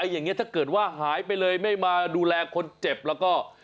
อย่างนี้ถ้าเกิดว่าหายไปเลยไม่มาดูแลคนเจ็บแล้วก็